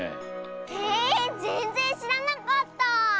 へえぜんぜんしらなかった！